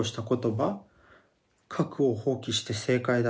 「核を放棄して正解だった。